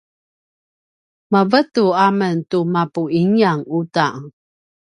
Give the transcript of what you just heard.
mavetu a men tu mapu ingyang uta